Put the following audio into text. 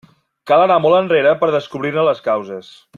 Cal anar molt enrere per a descobrir-ne les causes.